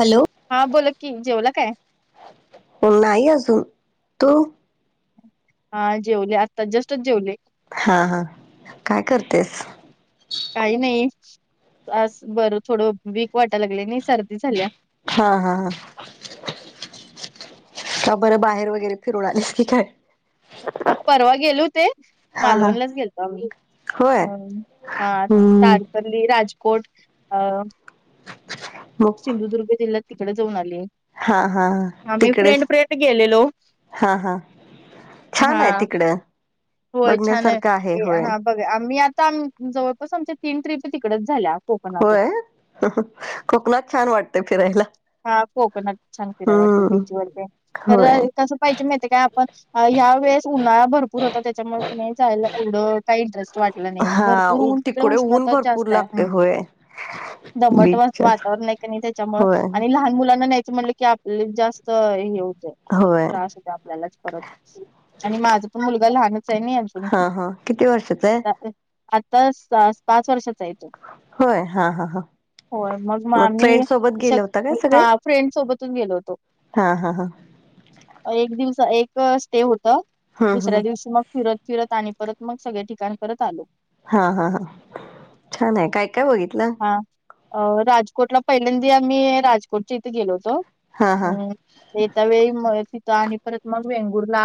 Hello हा बोला की जेवला काय? नाही अजून तू हा जेवले आत्ता जस्टच जेवले हां हां काय करतेस? काही नाही आज बरं थोडं वीक वाटायला लागलय नी सर्दी झाल्या. हा हा हा का बरं बाहेर वगैरे फिरून आलीस की काय परवा गेलो होते हा हा मालवणलाच गेलतो आम्ही. होय हम्म आठ हम्म साड पल्ली राजकोट अ मग सिंधुदुर्ग जिल्ह्यात तिकड जाऊन आले हा हा हा. आम्ही तिकडेच फ्रेंड फ्रेंड गेलेलो. हा हा हा छान हाय तिकडं बघण्यासारखं आहे होय. बघ आम्ही आता जवळपास आमच्या तीन ट्रिप तिकडच झाल्या कोकणातच होय कोकणात छान वाटत फिरायला. हा कोकणात छान फिराय वाटते हम्म बीच वर ते तर होय कसं पाहिजे माहित काय आपण ह्या वेळेस उन्हाळा भर पूर होता त्याच्यामुळ की नाय जायला एवढं काय इंटरेस्ट वाटलं नाय भरपूर ऊन तिकड उष्णताच जास्तय. ते होय. दमट व बीचच्या वातावरण हाय की नाय त्याच्यामुळ होय आणि लहान मुलांना न्यायच म्हणलं की आपले जास्त हे होतय होय त्रास हो त आपल्यालाच परत आणि माझ पण मुलगा लहानच हाय नी आजून हा हा किती वर्षाच आहे आताच तास पाच वर्षाचा हे तो. होय हा हा हा होय मग मग आम्ही फ्रेंड सोबत गेले होता काय हो सगळे? फ्रेंड सोबतच गेलो होतो. हा हा हा एक दिवस एक स्टे होत हम्म दुसऱ्या हम्म दिवशी मग फिरत फिरत आणि परत मग सगळे ठिकाण करत आलो. हा- हा -हा छान आहे. काय काय बघितल? हा राजकोटला पहिल्यांदा आम्ही राजकोटच्या इथे गेलो होतो. हा हा हम येत्या वेळी म तिथ आणि परत मग वेंगुरला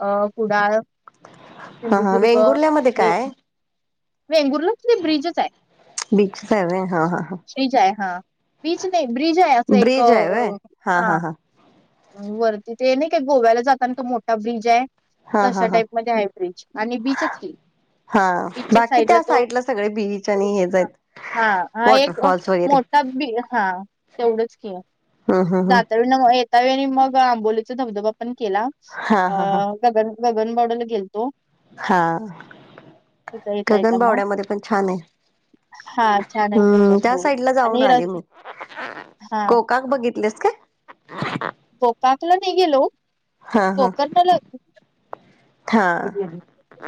अ कुडाळ हा हा सिंधुदुर्ग. वेंगुर्ल्यामध्ये हे काय आहे? वेंगुर्ला ब्रिज च आहे. बीच हाय व्हय. हा- हा ह ब्रिज आहे. हा बिच नाही ब्रिज आहे अस एक हा वरती ते नाही का गोव्याला जाताना तो मोठा ब्रिज हाय. हा हा तशा हा टाईप मध्ये हय ब्रिज आणि बीच की, हा बीचच्या बाकी त्या तो साईडला सगळे बीच आणि हेच हा आहेत. हा -हा एक वॉटरफॉल्स वगैरे मोठा बी हा तेवढच कि, हम्म हम्म दा हम्म येता वेळी मग आंबोलीचा धबधबा पण केला. हा अ हा हा गगन-गगन बावड्याला गेलतो. हा तिथं येता येता मग गगनबावड्यामध्ये पण छान आहे. हा छान आहे तो हम्म पण त्या हो साईड ला जाऊन आणि र आले मी. हा को कान बघितलेस काय? कोकातला नाही गेलो हा हो. हा [unintelligible] हा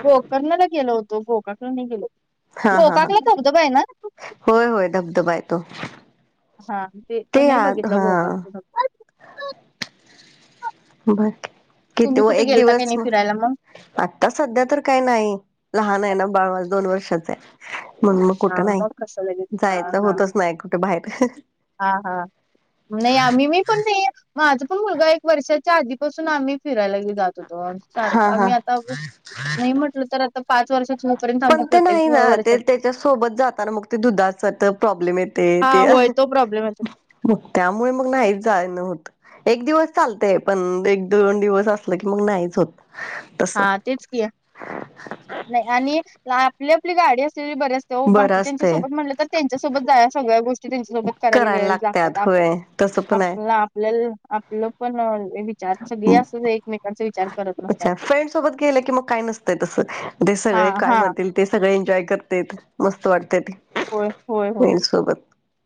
गोकर्णाला गेलो होतो. गोकाणे ला नाही गेलो. हा -हा -हा, गोकाकला धबधबा आहे ना होय होय धबधबा हेतो. हा ते तु नाही बघितल [unintelligible] बर किती तुम्ही व कुठे एक गेलता काही दिवस नाही मग. फिरायला आता सध्या तर काही नाही लहान आहे ना, बाळ माझ. दोन वर्षाच आहे. म्हणून मग कुठ हा नाही मग कसं लगेच हा जायच हा होतच नाही कुठे बाहेर. हा -हा नाही आम्ही मी. पण नाही माझा पण मुलगा एक वर्षाच्या आधीपासून आम्ही फिरायला नाही जात. सारख हा हा आम्ही आता नाही म्हटल तर आता पाच वर्षाच पर्यंत [unintelligible] त्या सोबत जाताना मग ते दुधाचा तेन प्रॉब्लेम येते ते हा होय तो प्रॉब्लेम येतो [unintelligible] मग त्यामुळे मग नाहीच जान होतं. एक दिवस चालतय, पण एक दोन दिवस असल की मग नाहीच होत. तस हा तेच की, नाही आणि आपली -आपली गाडी असलेली बरी असते. तवा बरं बाकीच्याच्या असतय सोबत म्हटले तर, त्यांच्यासोबत जाया सगळ्या गोष्टी. त्यांच्या सोबत करायला गयला लागत्यात लागतात. होय तसं पण आपला आहे आपल्या आपल पण विचार सगळे अस एकमेकांचे विचार करत नसतात. अच्छा फ्रेंड सोबत गेल की, मग काय नसतय तस ते हा सगळे काय हा म्हणतील. ते सगळे एन्जॉय करतेेत मस्त होय होय होय वाटते सोबत.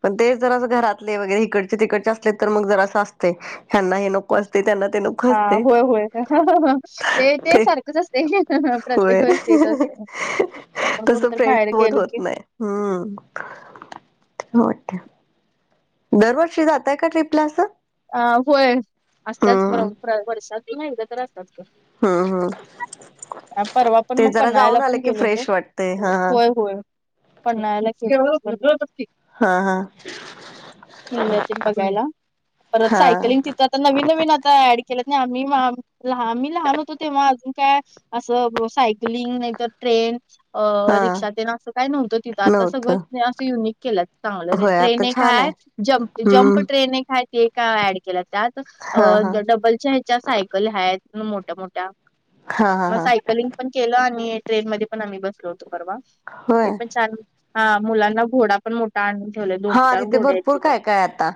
पण ते जरा घरातले वगैरे इकडचे तिकडचे असले तर, मग जरा असतेय ह्यांना हे नको. परत त्यांना ते नको हां, असते होय, होय. ते. प्रत्येक होय. वेळेस तेच असते. आपण तस कुठेतरी फ्रेंड बाहेर सोबत गेलो होत की नाही. हम्म, मग दरवर्षी जाताय का, ट्रीपला असं? अ होय, असत्याच हम्म प्र वर्षातून एकदा तर असता च गं. हम्म हम्म परवा पण ते मग जरा पन्हाळ्याला जाऊन आले पण की गेलो होतो, फ्रेश वाटते हा होय होय. पन्हाळ्याला [unintelligible] हा हा हा बघायला. [unintelligible] बघायला. परत हा सायकलिंगची तर आता नवीन नवीन आता ऍड केलंत ना, आम्ही म आम्ही लहान होतो तेव्हा अजून काय. असं सायकलिंग नाहीतर ट्रेन. अ हा रिक्षात येन असं काय नव्हतं, तिथं आता नव्हतं सगळं असं युनिक केलंत. चांगलं होय ट्रेन आता एक छान आहे हाय, जम्प-जम्प हम्म ट्रेन एक हाय, ते एक ऍड केलाय त्यात. हा हा त डबलच्या ह्याच्यात सायकल आहेत, मोठ्या-मोठ्या. हा हा मग हा सायकलिंग पण केलं आणि ट्रेन मध्ये पण आम्ही बसलो होतो परवा. होय ते पण छान, हां मुलांना घोडा पण मोठ हां तिथे भरपूर काय काय आता.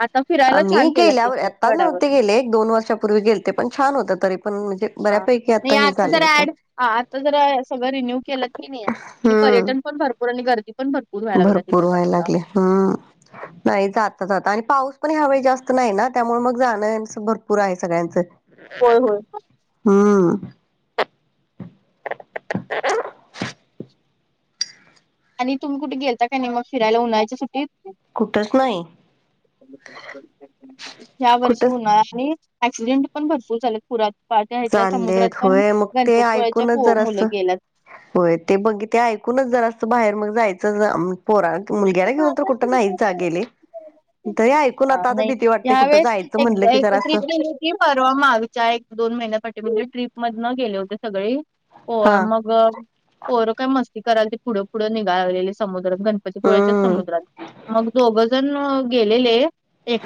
आता फिरायला आम्ही छान केल्यात गेल्यावर त्यांनी आता गडावर नव्हते गेले, एक दोन वर्षापूर्वी गेलते, पण छान होत तरी पण म्हणजे. हां बऱ्यापैकी नही हे आता झालं जरा होत ऍड, आता जरा सगळं रिन्यू केलंत की नही आणि पर्यटन हम्म पण भर पूर आणि गर्दी पण भर भरपूर व्हायला लागले, हम्म. नही जाता जाता आणि पाऊस पण ह्यावेेळी जास्त नही ना, त्यामुळे मग जाणं यांचं भरपूर आहे सगळ्यांचं. होय होय. हम्म. आणि तुम्ही कुठे गेलता का नाही, मग फिरायला उन्हाळ्याच्या सुट्टीत? कुठच नाही ह्या वर्षी कुठच उन [unintelligible] आणि. ऍक्सिडेंट पण भरपूर झालेत पुरात. पाट्या ह्याच्या समुद्रात चाललेत पण, होय मग ते गणपती पुळ्याच्या ऐकूनच पु जरा मुलं असं गेल्यात. होय ते बघ ते ऐकूनच जरा असत बाहेर मग जायचं म. पोरंत मुलग्याला घेऊन तर बाबा कुठं नाहीच आ संताचा गेली. द या ऐकून हा आता, आता नाही भीती वाटते कुठं जायचं म्हणलं की जरा सं. ती परवा मारूच्या एक दोन महिन्यापाठी मागे, ट्रीप मधन गेले होते सगळे, पोहा हा मग. गं, पोरं काय मस्ती कराय, ते पुढं पुढे निघालेली समुद्रात गो व्याच्या हम्म समुद्रात मग दोघजण गेलेले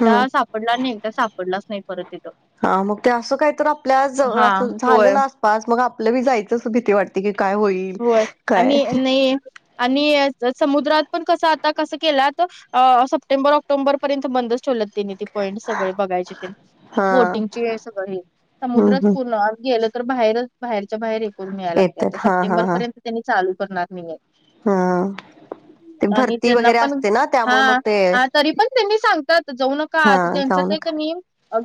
हम्म साप पडला, नाही तर सापडलाच नाही परत य हा मग ते असं काही तर आपल्या जळ हा अस होय झालेल अस पास मग आपलं बी जायचं अस भीती वाटते की, काय होईल? होय काय आणि नही आणि समुद्रात पण कसं आता कसं केला त अ सप्टेंबर ऑक्टोंबर पर्यंत बंदच ठेवलेत. तेनि ते पॉइंट सगळे बघायचे, ते हा बोटिंगचेये सगळे हे हम्म समुद्रात हम्म पूर्ण अ गेलं. तर बाहेरच बाहेरच्या बाहेर हे करून या लागतया, येतात आता हा हा सप्टेंबर हा पर्यंत त्यांनी चालू करणार नहीये. हा ते आणि भरती त्यांना वगैरे पण, असते ना त्यामुळे मग हां ते आज. तरी पण त्यांनी सांगतात, जाऊ नका हा आत त्यांचा जाऊ ते क नका नई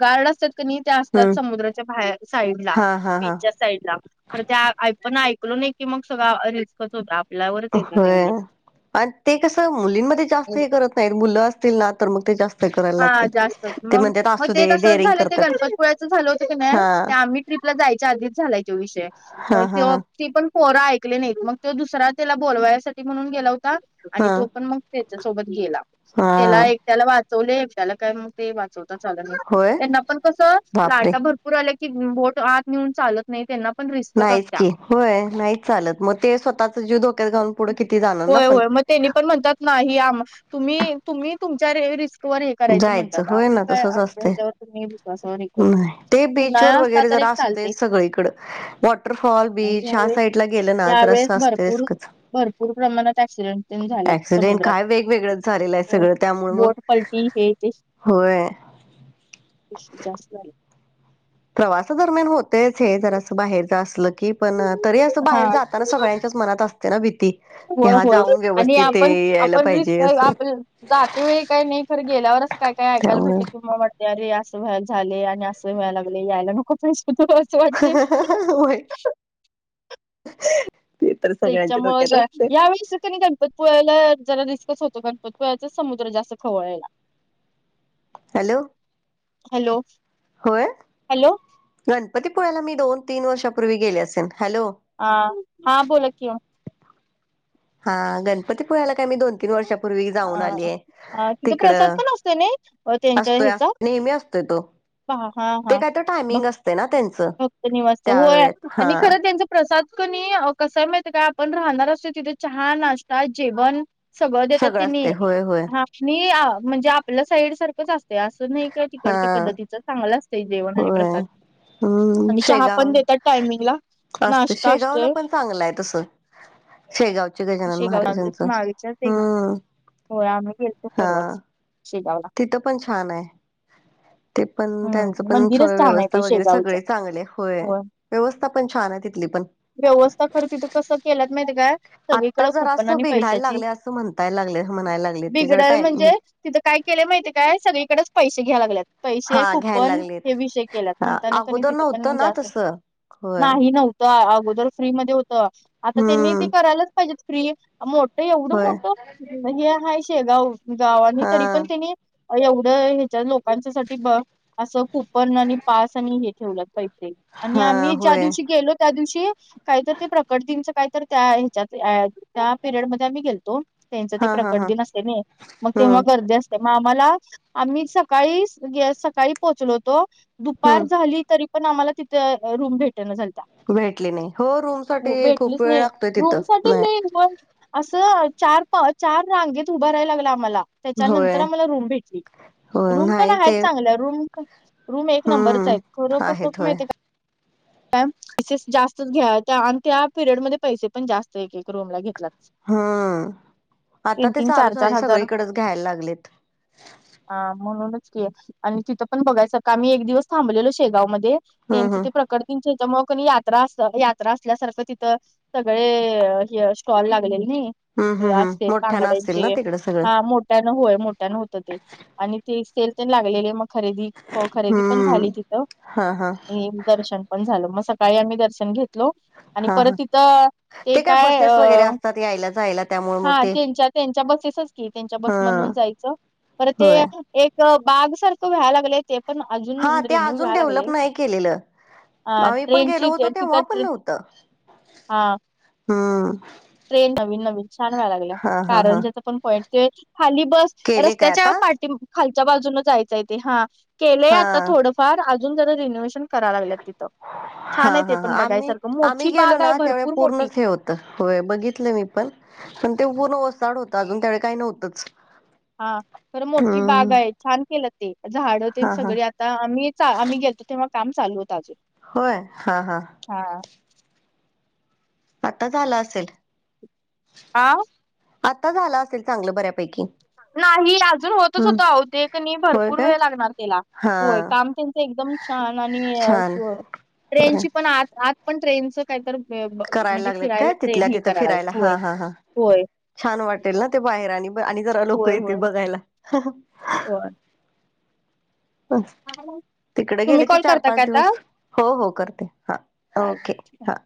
गार्ड असतात. क् नई त्या असतात हम्म समुद्राच्या बाहेर साईडला, हा हा हा बीचच्या साईडला तर त्या पण आई. [unintelligible] नही की मग सगळ रिस्कच होता. आपल्यावरच येते ते होय उलट आणि ते कसं मुलींमध्ये जास्त हे करत नाहीत, मुलं असतील ना तर मग ते जास्त. हे करायला हां लागतात जास्त ते मग, म्हणतात म असू ते दे तसच डेअरिंग झालं ते करतात गणपतपुळ्याच झालं होतं की नही, हा ते आम्ही ट्रीपला जायच्या आधीच झालाय तो विषय, मग हा हा त्यो. हा ती पण पोरां ऐकली नाही, मग तो दुसरा त्याला बोलवायासाठी म्हणून गेला होता आणि हा तो पण मग त्याच्या सोबत गेला हा त्याला एक त्याला वाचवले एकट्याला काय मग. ते वाचवत चाल होय त्यांना पण कस बापरे लाटा भर''--'' पूर आला की भोट आत नेऊन चालत नाही त्यांना. पण रिस्कच नाहीच असत्या की होय नाहीच चालत मग ते स्वतःचा जीव धोक्यात घाऊन पुढे किती जाणार ना पण तेनी पण म्हणतात नाही आम तुम्ही तुम्ही तुमच्या री रिस्क. रिस्क वर हे करायचं जायचं म्हणतात होय आम्ही ना काय तसच आमच्या असते ह्याच्यावर तुम्ही विश्वासावर हे कर उन्हाळा असता तर एक. चालते तेच सगळीकड वॉटरफॉल आणि बीच ह्या यावेळेस साईड ला गेलं ना तर यावेेळेस असं असतयच भरपूर खच. भरपूर प्रमाणात ऍक्सिडेंट तेन झाल्यात ऍक्सिडेंट समुद्रात. काय वेगवेगळंच झालेलं आहे सगळं त्यामुळे मग पलटी हे ते. होय. पिसे जास्त झालेत. प्रवासा दरम्यान होतेच हे जर असं बाहेरच असलं की पण तरी अस हा बाहेर जात. तर सगळ्यांच्याच मनात असते ना भीती. हो ह्या हो, जाऊन आणि व्यवस्थित ते आपण यायला आपण रिस्क पाहिजे असं आपल. जात्या वेळी काय नाही खर गेल्यावरच काय काय ऐकायला त्यामुळे भेटले किंवा वाट''--'' अरे असं व्हायला झाले आणि असं व्हायला लागले यायला नको पाहिजे होतं मग. हा हा हा, वय. ह [inaudible] त्यांच्यामुळे यावेळेस कनय गण''--'' पत पुळला जरा रिस्कच होतो कारण गणंपतीपुळ्याचा समुद्र जास्त खवळलेला. हॅलो, हॅलो, होय हॅलो गणपतीपुळ्याला मी दोन तीन वर्षापूर्वी गेले असेल हॅलो. आ हा बोला कि वो. हा गणपती पुळला काय मी दोन. तीन अ वर्षापूर्वी जाऊन आलीय अ तिथं तिकड प्रसाद पण असतो ना त्यांच्या असतोय. ह्याचा नेहमी असतोय तो. पहा हा हा, ते काहीतरी टायमिंग असते ना त्यांचा. फक्त निवास हो आणि खरं त्यांच. प्रसाद कणी अ कसाय माहिते काय आपण राहणार असतो तिथे चहा नाश्ता जेवण. सगळं देतात तिनी असते होय होय हा कने म्हणजे आपलं साईड सारखंच असत. ते असं नाही काय हा तिकडच्या पद्धतीचं चांगलं असतं जेवण आणि होय प्रसाद. हम्म आणि चहा पण शेगाव देतात टायमिंग ला नाश्ता असतोय. चांगलंय तसं शेगाव गजानन शेगाव महाराजांचं मागच्याच एक हम्म. होय आम्ही गेलतो हा परर्व शेगावला. तिथं पण छान आहे. ते पण त्यांचं हम्म पण मंदिरच सोय छान आहे व्यवस्था ते वगैरे शेगावच सगळे चांगले होय. व्यवस्था पण छान आहे तिथली पण. व्यवस्था खरं तिथं कसं केलंत माहित काय. आत्ता सगळीकड जरा कूपन असं आणि बिघडायला पैशाची लागले असं म्हणताय लागले म्हणायला लागले ते जरा बिघडाल टाइम म्हणजे. तिथं काय केले माहितीय काय सगळीकडेच पैसे घ्याय लागत. हा पैसे खूप घ्यायला पण लागलेत हे विषय केल्यात हा म्हणता न त अगोदर तिथं पण नव्हतं ना जास्त. तसं होय. नाही नव्हतं अगोदर फ्री मध्ये होत आता त्यांनी ते हम्म करायलाच पाहिजेत फ्री मो''--'' तर एवढं होय मोठं हे आहेाय शेगाव गावानी हा तरी पण त्यांनी. अ एवढं ह्याच्या लोकांच्यासाठी बघ, असं कूपन आणि पास आणि हे ठेवल्यात पैसे. आणि हा आम्ही होय ज्यादिवशी गेलो त्यादिवशी, काहीतर ते प्रकट दिनच काहीतर त्या च्यात आ त्या पिरियड मध्ये आम्ही गेलतो, त्यांचं ते हा हा प्रकट हा दिन असतंय नाय, मग तेव्हा हम्म गर्दी अस त्या मामाला, आम्ही सकाळी गे सकाळी पोहोचलो होतो, दुपार हम्म झाली तरी पण आम्हाला तिथं अ रूम भेटना झालत्या. भेटली नाही, हो रूमसाठी खूप वेळ लागतोय. रूमसाठी नाही, मग असं चार पा चार रांगेत उभं राहायला लागलं आम्हाला. होय त्याच्यानंतर आम्हाला रूम भेटली, हो रूम पण नाही ते हायत चांगल्या रूम रूम एक नंबरच हम्म आहे, खरं कसं आहेत होतं होय माहितय का? मॅम पैसे जास्तच घ्या आणि त्या पिरियडमध्ये पैसे पण जास्त एक एक रूमला घेतलाच. हा, आता ते चालू चार चार हाय हजार सगळीकडेच घ्यायला लागलेत. हा म्हणूनच की, आणि तिथं पण बघायचं का, आम्ही एक दिवस थांबलेलो शेगाव मध्ये हम्म त्यांचं हम्म ते प्रकटदिनच्या हेच्यामुळं क नाय यात्रा असता, यात्रा असल्यासारखं तिथं सगळे अ स्टॉल हे लागलेले हम्म नाय, हम्म असे हम्म मोठ्यानं असतील ना बांगड्यांचे तिकडं सगळं हा मोठ ठ्यानं होय मोठ्यानं होतं ते आणि ती सेल तेन् लागलेले मग खरेदी हो खरेदी पण झाली हम्म. तिथं, हा हा आणि दर्शन पण झालं, मग सकाळी आम्ही दर्शन घेतलो आणि हा परत हा तित त ते काय अ, बसेस वगैरे असतात यायला जायला त्यामुळे मग हा ते त्यांच्या त्यांच्या बसेसच की त्यांच्या हा बसमधून जायचं, परत ते होय एक अ बाग सारखं व्हाय लागलंय ते पण हा अजून ते रिन्यू अजून व्हाय डेव्हलप लागलंय. नाही केलेलं. अ ट्रेनची ती तिथ ट्रे त. हा. हम्म. ट्रेन नवीन नवीन छान व्हाय लागल्या, हा हा हा कारंज्याचं पण पॉईंट ते, खाली बस केले काय रस्त्याच्या आता पा टीम, खालच्या बाजूनं जायचंय ते हा, केलंय हा आता थोडंफार अजून जरा रेनोवेशन कराय लागल्यात तिथं, हा छान आहे ते हा हा पण आम्ही बघायसारखं मोठी बाग आहे भरपूर मोठी. त होय बघितलं मी पण, पण ते ऊन वसाड होतं अजून त्यावेळी काही नव्हतंच. हा खरं मोठी बाग हम्म आहे, छान केलं ते झाडं तेन हा हा सगळे आ ता आम्ही चा आम्ही गेलतो तेव्हा काम चालू होतं अजून. होय? हा हा. हा. आता झालं असेल. आव्. आता झालं असेल चांगलं बऱ्यापैकी. नाही अजून होतच हम्म होत अहो, ते क नी होय भरपूर काय वेळ लागणार त्याला. हा होय काम त्यांचं एकदम छान आणि छान असं, बर ट्रेनची पण आत- आत पण ट्रेनचं काहीतर, ब करायला म्हणजे लागलेत फिरायला काय ट्रेन तिथल्या ही तिथं कराय फिरायला लागलेत होय हा हा हा होय. छान वाटेल ना ते बाहेर आणि आणि जरा लोकं होय होय येतील बघायला. होय. [inaudible] तिकडे गेले की कॉल चार करता पाच काय आता दिवस, हो हो करते हा ओके चालतंय. हा.